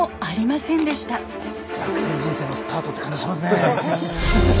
「逆転人生」のスタートって感じしますね。